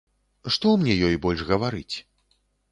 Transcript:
Што мне ёй больш гаварыць?